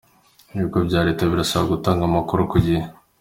Ibigo bya Leta birasabwa gutanga amakuru ku gihe